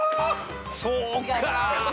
そうか！